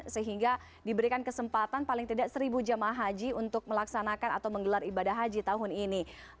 sehingga diberikan kesempatan paling tidak seribu jemaah haji untuk melaksanakan atau menggelar ibadah haji tahun ini